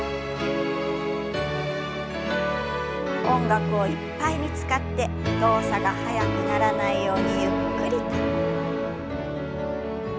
音楽をいっぱいに使って動作が速くならないようにゆっくりと。